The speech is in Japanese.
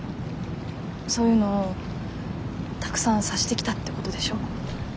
そういうのをたくさん察してきたってことでしょ？